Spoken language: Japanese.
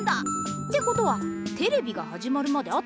ってことはテレビがはじまるまであと３０分。